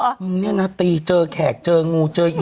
อัตหญิงนี้นะตีเจอแขกเจองูเจออีหนุ่ม